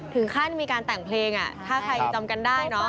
ถึงขั้นมีการแต่งเพลงถ้าใครจำกันได้เนอะ